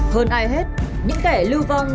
hơn ai hết những kẻ lưu vong